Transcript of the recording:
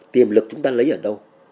tiềm lực chúng ta lấy ở đâu